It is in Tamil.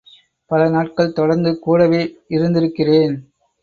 பலநாட்கள்தொடர்ந்து கூடவே இருந்திருக்கிறேன்.